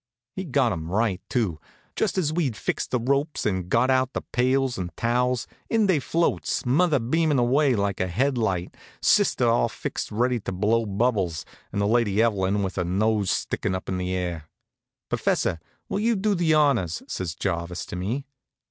He'd got 'em right, too. Just as we'd fixed the ropes, and got out the pails and towels, in they floats; mother beamin' away like a head light, sister all fixed ready to blow bubbles, and the Lady Evelyn with her nose stickin' up in the air. "Professor, will you do the honors?" says Jarvis to me.